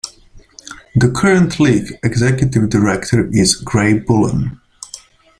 The current league Executive Director is Grey Bullen.